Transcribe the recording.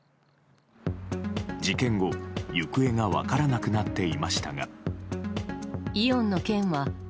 事件後、行方が分からなくなっていましたが。